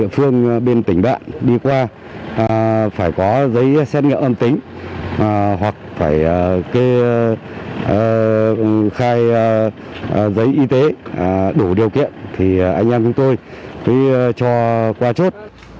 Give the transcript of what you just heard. phải có giấy xét nghiệm âm tính hoặc phải cái khai giấy y tế đủ điều kiện thì anh em tôi thì cho qua chốt